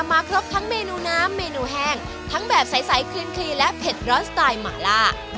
มาครบทั้งเมนูน้ำเมนูแห้งทั้งแบบใสคลีและเผ็ดร้อนสไตล์หมาล่า